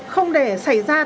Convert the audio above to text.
không để xảy ra tình huống